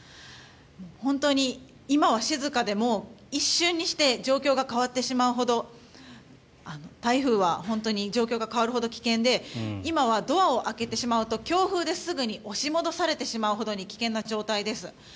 本当に今は静かでも一瞬にして状況が変わってしまうほど台風は本当に状況が変わるほど危険で今はドアを開けてしまうと強風ですぐに押し戻されてしまうほどに危険な状態です。